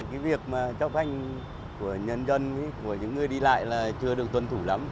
cái việc mà chọc thanh của nhân dân của những người đi lại là chưa được tuân thủ lắm